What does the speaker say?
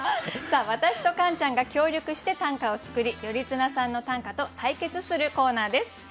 さあ私とカンちゃんが協力して短歌を作り頼綱さんの短歌と対決するコーナーです。